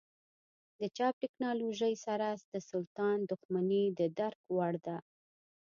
د چاپ ټکنالوژۍ سره د سلطان دښمني د درک وړ ده.